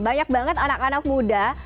banyak banget anak anak muda